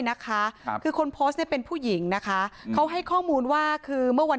นะคะครับคือคนโพสต์เนี่ยเป็นผู้หญิงนะคะเขาให้ข้อมูลว่าคือเมื่อวัน